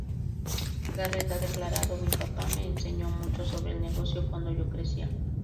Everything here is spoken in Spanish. Garrett ha declarado: "Mi papá me enseñó mucho sobre el negocio cuando yo crecía.